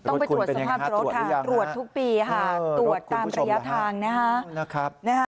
ต้องไปตรวจสภาพตรวจทางตรวจทุกปีตรวจตามประยะทางนะครับ